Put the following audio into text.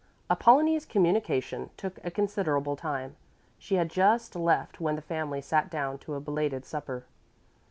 Apollonie's communication took a considerable time. She had just left when the family sat down to a belated supper.